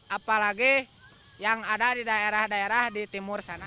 apalagi yang ada di daerah daerah di timur sana